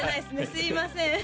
すいません